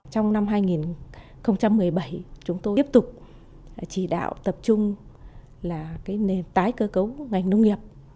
trong năm hai nghìn một mươi bảy chúng tôi tiếp tục chỉ đạo tập trung là nền tái cơ cấu ngành nông nghiệp